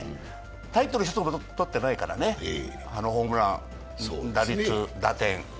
タイトル取ってないからね、ホームラン、打率、打点。